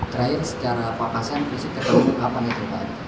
terakhir secara pak pasen apa nih itu pak